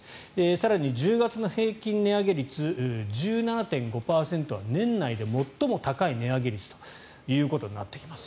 更に１０月の平均値上げ率１７．５％は年内で最も高い値上げ率ということになってきます。